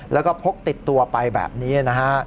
แล้วก็พกติดตัวไปแบบนี้นะฮะ